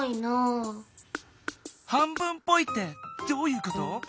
半分っぽいってどういうこと？